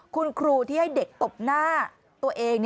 คุณครูที่ให้เด็กตบหน้าตัวเอง